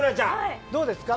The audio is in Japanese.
どうですか。